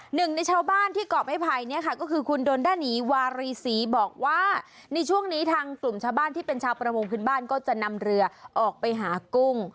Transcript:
หนึ่งในชาวบ้านที่กรอบให้ภัยเนี่ยค่ะก็คือคุณดนด้านีวารีศรีบอกว่าในช่วงนี้ทางกลุ่มชาวบ้านที่เป็นชาวประมงพื้นบ้านก็จะนำเรือออกไปหากุ้ง